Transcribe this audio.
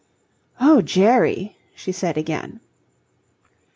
"Oh, Jerry!" she said again.